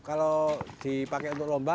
kalau dipakai untuk lomba